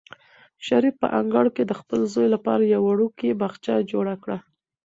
شریف په انګړ کې د خپل زوی لپاره یو وړوکی باغچه جوړه کړه.